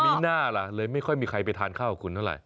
มีหน้าล่ะเลยไม่ค่อยมีใครไปทานข้าวกับคุณเท่าไห